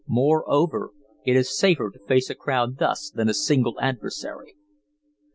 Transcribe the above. Moreover, it is safer to face a crowd thus than a single adversary.